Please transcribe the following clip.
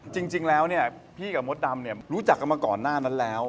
จริงแล้วพี่กับมดดำรู้จักกันมาก่อนหน้านั้นแล้ว